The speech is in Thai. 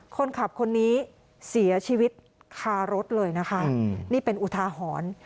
คนขับคนนี้เสียชีวิตคารถเลยนะคะนี่เป็นอุทาหรณ์